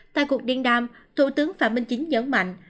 tại cuộc điện đàm thủ tướng phạm minh chính nhấn mạnh